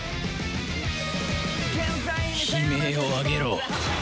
悲鳴を上げろ。